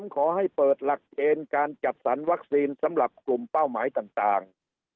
ขอให้เปิดหลักเกณฑ์การจัดสรรวัคซีนสำหรับกลุ่มเป้าหมายต่าง